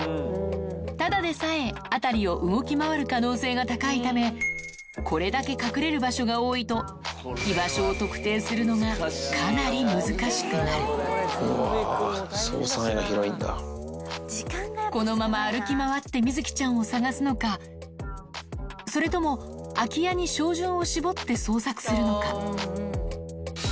ただでさえ辺りを動き回る可能性が高いため、これだけ隠れる場所が多いと、居場所を特定するのがうわー、このまま歩き回ってみづきちゃんを探すのか、それとも、空き家に照準を絞って捜索するのか。